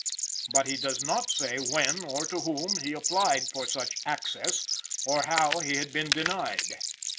But he does not say when, or to whom, he applied for such "access," or how he had been "denied."